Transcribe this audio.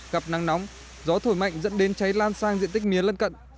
gặp nắng nóng gió thổi mạnh dẫn đến cháy lan sang diện tích mía lân cận